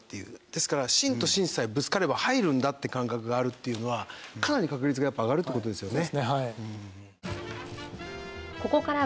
ですから芯と芯さえぶつかれば入るんだって感覚があるっていうのはかなり確率がやっぱり上がるって事ですよね。